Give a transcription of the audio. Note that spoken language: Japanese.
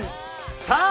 さあ